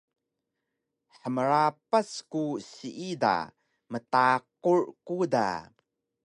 hmrapas ku siida mtakur ku da